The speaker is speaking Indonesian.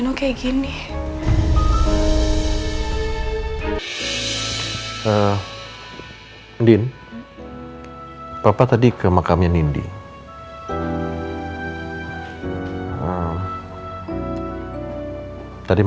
gua bisa ke panti